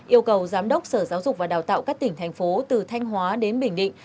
yêu cầu giám đốc sở giáo dục và đào tạo các tỉnh thành phố từ thanh hóa đến bình định